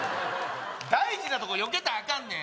大事なとこよけたらアカンねん